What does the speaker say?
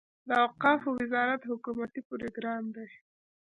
د اوقافو وزارت حکومتي پروګرام دی.